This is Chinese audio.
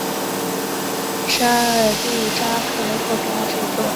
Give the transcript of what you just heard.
沙尔蒂扎克人口变化图示